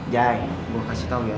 jay gue kasih tau ya